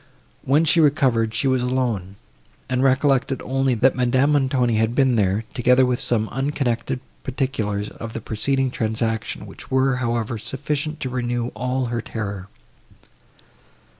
When she recovered, she was alone, and recollected only, that Madame Montoni had been there, together with some unconnected particulars of the preceding transaction, which were, however, sufficient to renew all her terror.